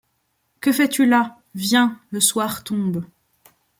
Que fais-tu là ? Viens. Le soir tombe